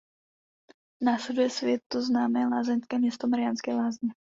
Následuje světoznámé lázeňské město Mariánské Lázně.